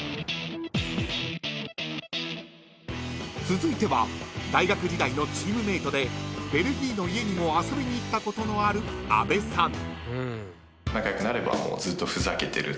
［続いては大学時代のチームメートでベルギーの家にも遊びに行ったことのある阿部さん］